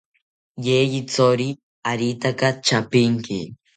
Yeyithori aretaka chapinki